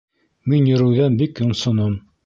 Мин йөрөүҙән бик йонсоном